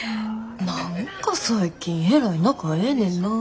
何か最近えらい仲ええねんな。